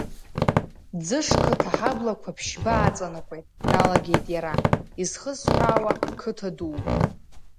Ӡышқыҭ аҳаблақәа ԥшьба аҵанакуеит, дналагеит иара, изхысҳәаауа, қыҭа дууп.